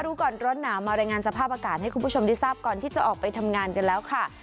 รู้ก่อนร้อนหนาวมารายงานสภาพอากาศให้คุณผู้ชมได้ทราบก่อนที่จะออกไปทำงานกันแล้วค่ะ